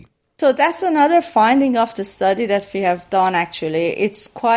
itu adalah penemuan lain dari penelitian yang kita lakukan